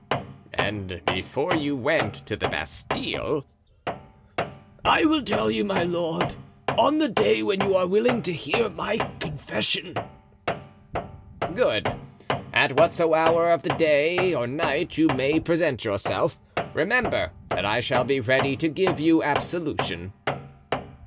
"And before you went to the Bastile?" "I will tell you, my lord, on the day when you are willing to hear my confession." "Good! At whatsoever hour of the day or night you may present yourself, remember that I shall be ready to give you absolution."